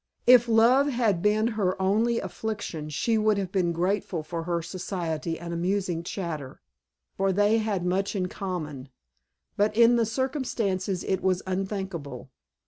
If love had been her only affliction she would have been grateful for her society and amusing chatter, for they had much in common. But in the circumstances it was unthinkable.